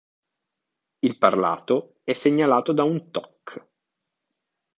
Il parlato è segnalato da un "toc".